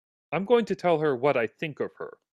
I'm going to tell her what I think of her!